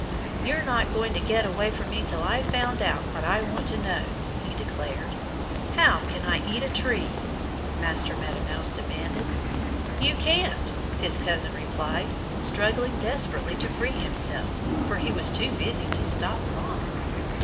"You're not going to get away from me till I've found out what I want to know," he declared. "How can I eat a tree?" Master Meadow Mouse demanded. "You can't!" his cousin replied, struggling desperately to free himself, for he was too busy to stop long.